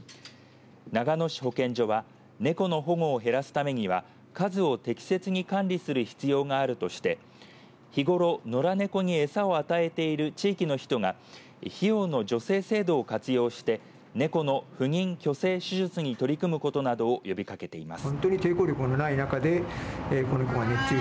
長野市保健所は猫の保護を減らすためには数を適切に管理する必要があるとして日頃、野良猫に餌を与えている地域の人が費用の助成制度を活用して猫の不妊去勢手術に取り組むことなどを呼びかけています。